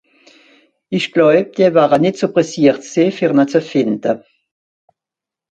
Ìch gläub, die wäre nìtt so presseert sìn, fer ne ze fìnde.